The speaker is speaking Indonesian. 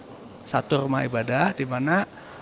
ada satu rumah ibadah dimana